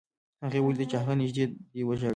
هغې ولیدل چې هغه نږدې دی وژاړي